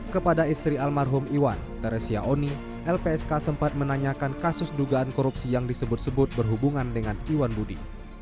kepada istri almarhum iwan teresia oni lpsk sempat menanyakan kasus dugaan korupsi yang disebut sebut berhubungan dengan iwan budi